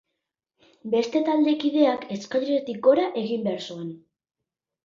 Beste taldekideak eskaileratik gora egin behar zuen.